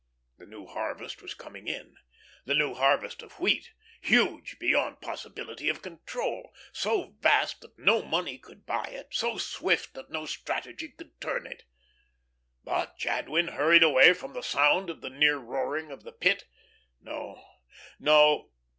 The new harvest was coming in; the new harvest of wheat, huge beyond possibility of control; so vast that no money could buy it, so swift that no strategy could turn it. But Jadwin hurried away from the sound of the near roaring of the Pit. No, no.